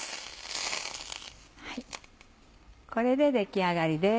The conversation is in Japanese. これで出来上がりです。